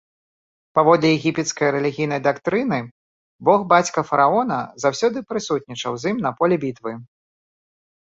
Паводле егіпецкай рэлігійнай дактрыны, бог-бацька фараона заўсёды прысутнічаў з ім на поле бітвы.